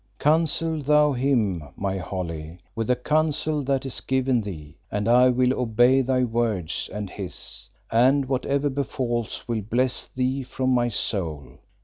Counsel thou him, my Holly, with the counsel that is given thee, and I will obey thy words and his, and, whatever befalls, will bless thee from my soul.